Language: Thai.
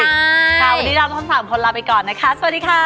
ค่ะวันนี้เราทั้ง๓คนลาไปก่อนนะคะสวัสดีค่ะ